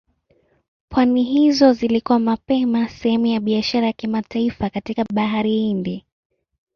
Pwani hizo zilikuwa mapema sehemu ya biashara ya kimataifa katika Bahari Hindi.